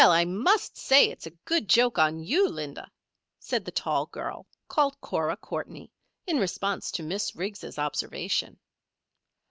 I must say it's a good joke on you, Linda," said the tall girl, called Cora Courtney, in response to Miss Riggs' observation.